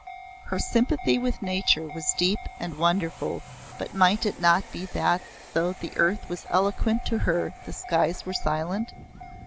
Her sympathy with nature was deep and wonderful but might it not be that though the earth was eloquent to her the skies were silent?